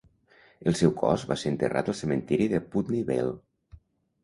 El seu cos va ser enterrat al cementiri de Putney Vale.